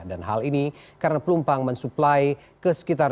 dan hal ini karena pelumpang mensuplai ke sekitar